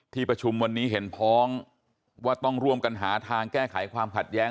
ประชุมวันนี้เห็นพ้องว่าต้องร่วมกันหาทางแก้ไขความขัดแย้ง